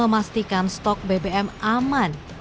memastikan stok bbm aman